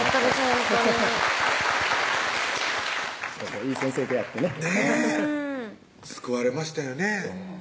ほんとにいい先生に出会ってねねぇ救われましたよね